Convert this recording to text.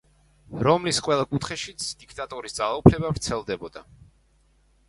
რომლის ყველა კუთხეშიც დიქტატორის ძალაუფლება ვრცელდებოდა.